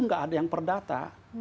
nggak ada yang perdata